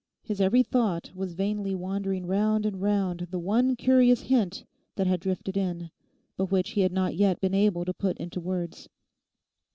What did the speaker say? His every thought was vainly wandering round and round the one curious hint that had drifted in, but which he had not yet been able to put into words.